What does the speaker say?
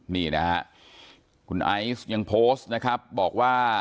นี่นะฮะคุณไอซ์ยังโพสต์นะครับบอกว่า